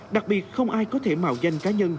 đặc biệt không ai có thể mạo danh cá nhân